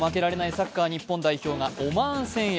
サッカー日本代表はオマーン戦へ。